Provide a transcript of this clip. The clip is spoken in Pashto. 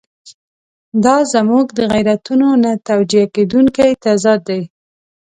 دا زموږ د غیرتونو نه توجیه کېدونکی تضاد دی.